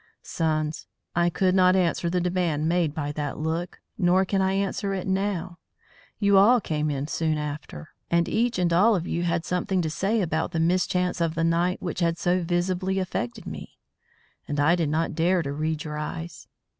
_ Sons, I could not answer the demand made by that look, nor can I answer it now. You all came in soon after, and each and all of you had something to say about the mischance of the night which had so visibly affected me. And I did not dare to read your eyes.